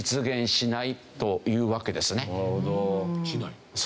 しない？